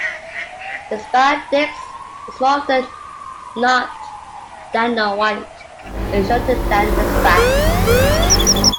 The spadix is more often than not white and shorter than the spathe.